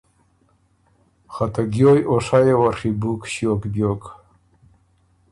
خه ته ګیویٛ او ”شئ“ یه وه ڒیبُوک ݭیوک بیوک۔